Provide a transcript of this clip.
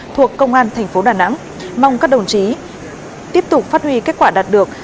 thuộc công an tp đà nẵng mong các đồng chí tiếp tục phát huy kết quả đạt được